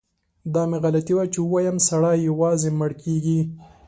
دا مې غلطي وه چي ووایم سړی یوازې مړ کیږي.